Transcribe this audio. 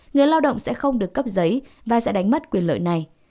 người lao động sẽ không được cấp giấy và sẽ đánh mất quyền lợi này